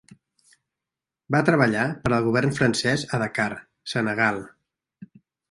Va treballar per al govern francès a Dakar, Senegal.